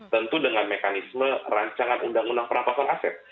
tentu dengan mekanisme rancangan undang undang perampasan aset